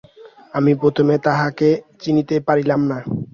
আমি প্রথমে তাহাকে চিনিতে পারিলাম না।